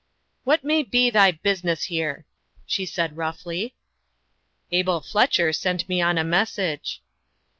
"What may be thy business here?" she said, roughly. "Abel Fletcher sent me on a message."